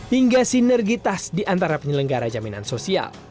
hingga sinergitas di antara penyelenggara jaminan sosial